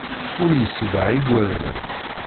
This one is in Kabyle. Ur yessedha igerdan.